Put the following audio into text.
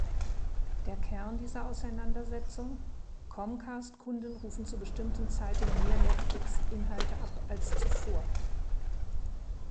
Der Kern dieser Auseinandersetzung: Comcast-Kunden rufen zu bestimmten Zeiten mehr Netflix-Inhalte ab als zuvor.